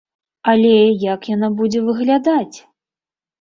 Але як яна будзе выглядаць?